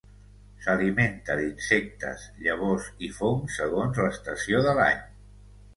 S'alimenta d'insectes, llavors i fongs segons l'estació de l'any.